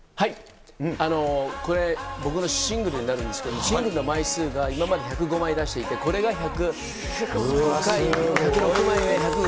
これ、僕のシングルになるんですけれども、シングルの枚数が、今まで１０５枚出していて、これが１０６枚目、１００ＧＯ！